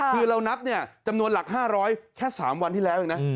คือเรานับเนี่ยจำนวนหลัก๕๐๐แค่๓วันที่แล้วเองนะ